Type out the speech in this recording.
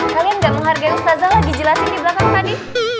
kalian gak menghargai ustazah lagi jelasin di belakang tadi